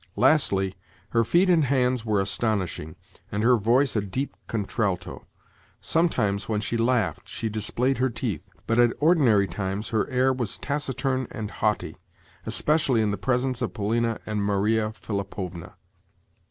Lastly, her feet and hands were astonishing, and her voice a deep contralto. Sometimes, when she laughed, she displayed her teeth, but at ordinary times her air was taciturn and haughty—especially in the presence of Polina and Maria Philipovna.